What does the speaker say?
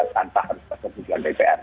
tanpa harus berkebutuhan bpr